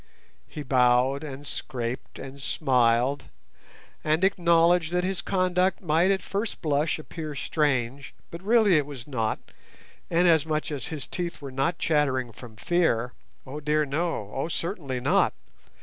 He bowed and scraped and smiled, and acknowledged that his conduct might at first blush appear strange, but really it was not, inasmuch as his teeth were not chattering from fear—oh, dear no! oh, certainly not!